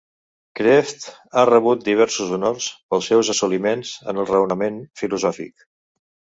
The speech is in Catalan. Kreeft ha rebut diversos honors pels seus assoliments en el raonament filosòfic.